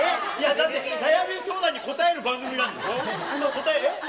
だって悩み相談に答える番組なんでしょ。